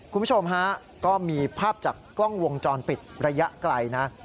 คุณผู้ชมฮะก็มีภาพจากกล้องวงจรปิดระยะไกลนะ